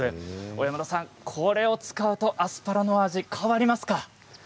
小山田さん、これを使うとアスパラの味は変わりますか？